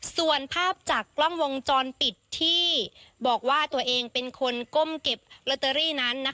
ส่วนภาพจากกล้องวงจรปิดที่บอกว่าตัวเองเป็นคนก้มเก็บลอตเตอรี่นั้น